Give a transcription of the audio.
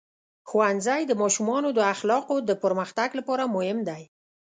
ښوونځی د ماشومانو د اخلاقو د پرمختګ لپاره مهم دی.